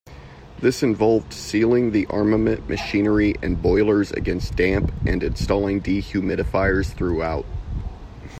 This involved sealing the armament, machinery and boilers against damp and installing dehumidifiers throughout.